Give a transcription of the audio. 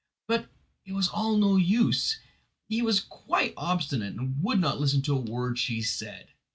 But it was all no use, he was quite obstinate and would not listen to a word she said.